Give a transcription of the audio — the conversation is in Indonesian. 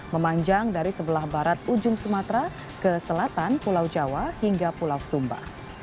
memanjang dari sebelah barat ujung sumatera ke selatan pulau jawa hingga pulau sumba